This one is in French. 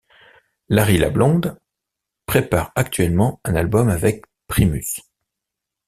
Larry LaLonde prépare actuellement un album avec Primus.